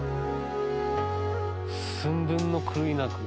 寸分の狂いなく。